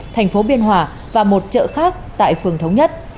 thành phố biên hòa và một chợ khác tại phường thống nhất